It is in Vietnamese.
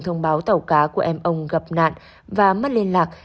thông báo tàu cá của em ông gặp nạn và mất liên lạc